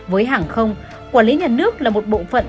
với hàng không quản lý nhà nước là một bộ phận